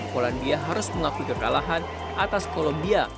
piala dunia harus mengaku kekalahan atas kolombia